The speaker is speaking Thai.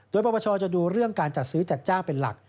โดยปปชจะดูเรื่องการจัดซื้อจัดจ้างเป็นหลัก